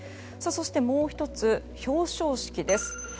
そしてもう１つ、表彰式です。